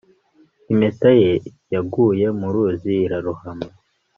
impeta ye yaguye mu ruzi irarohama